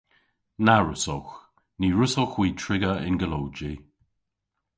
Na wrussowgh. Ny wrussowgh hwi triga yn golowji.